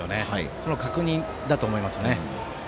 その確認だと思いますね。